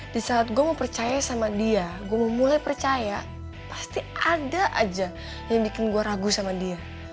di saat gue mau percaya sama dia gue mulai percaya pasti ada aja yang bikin gue ragu sama dia